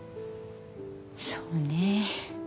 そうね